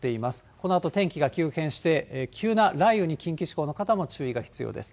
このあと天気が急変して、急な雷雨に近畿地方の方も注意が必要です。